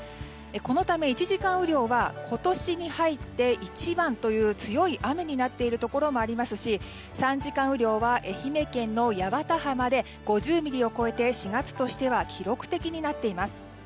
このため、１時間雨量は今年に入って一番という強い雨になっているところもありますし３時間雨量は愛媛県の八幡浜で５０ミリを超えて４月としては記録的になっています。